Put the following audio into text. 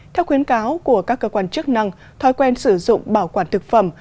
theo khuyến cáo của các cơ quan chức năng thói quen sử dụng bảo quản thực phẩm